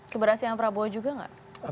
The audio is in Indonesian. keberhasilan prabowo juga gak